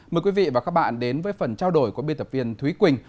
mời quý vị và các bạn đến với phần trao đổi của biên tập viên thúy quỳnh